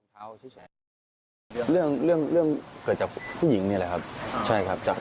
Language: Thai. ขึ้นอยู่ที่ผู้ใหญ่เค้าแหละครับ